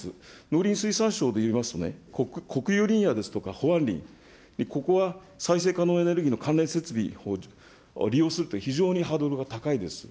農林水産省でいいますとね、国有林野ですとか保安林、ここは再生可能エネルギーの関連設備を利用すると、非常にハードルが高いです。